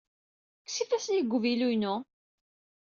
Kkes ifassen-ik seg uvilu-inu!